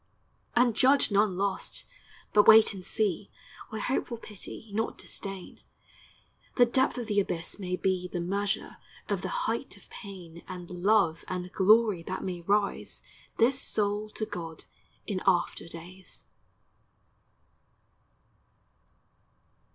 And judge none lost; but wait and see, With hopeful pity, not disdain; The depth of the abyss may be The measure of the height of pain And love and glory that may raise This soul to God in after days!